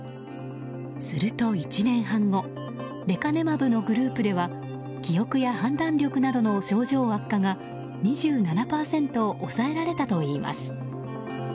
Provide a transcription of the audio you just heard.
すると、１年半後レカネマブのグループでは記憶や判断力などの症状悪化が２７％抑えられたといいます。